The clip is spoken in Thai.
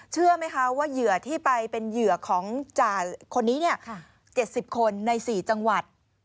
เชื่อไหมคะว่าเหยื่อที่ไปเป็นเหยื่อของจ่าคนนี้๗๐คนใน๔จังหวัด